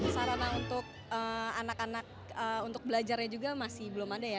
sarana untuk anak anak untuk belajarnya juga masih belum ada ya